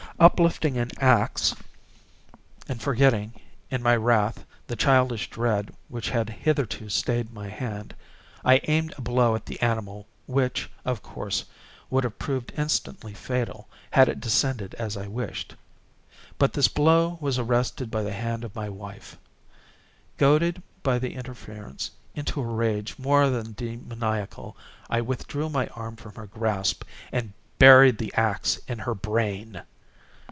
Uplifting an axe, and forgetting, in my wrath, the childish dread which had hitherto stayed my hand, I aimed a blow at the animal which, of course, would have proved instantly fatal had it descended as I wished. But this blow was arrested by the hand of my wife. Goaded, by the interference, into a rage more than demoniacal, I withdrew my arm from her grasp and buried the axe in her brain.